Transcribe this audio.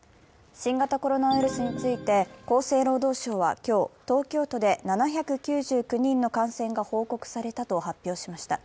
新型コロナウイルスについて厚生労働省は今日、東京都で７９９人の感染が報告されたと発表しました。